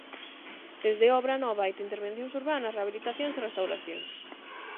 Desde obra nova ata intervencións urbanas, rehabilitacións e restauracións.